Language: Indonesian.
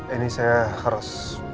ini saya harus